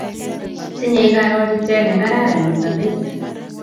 tinyei karotitei ne kararn eng' sobet